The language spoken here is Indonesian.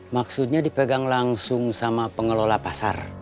maksudnya dipegang langsung sama pengelola pasar